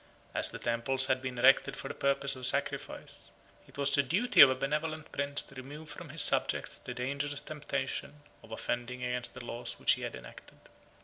As the temples had been erected for the purpose of sacrifice, it was the duty of a benevolent prince to remove from his subjects the dangerous temptation of offending against the laws which he had enacted.